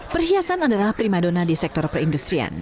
perhiasan adalah prima dona di sektor perindustrian